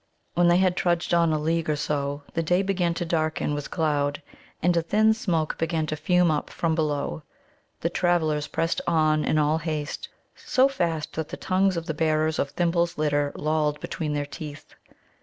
When they had trudged on a league or so the day began to darken with cloud. And a thin smoke began to fume up from below. The travellers pressed on in all haste, so fast that the tongues of the bearers of Thimble's litter lolled between their teeth.